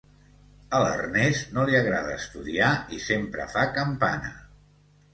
A l'Ernest no li agrada estudiar i sempre fa campana: